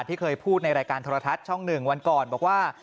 ที่เคยพูดในรายการโทรทัศน์ช่อง๑วันก่อนบอกว่า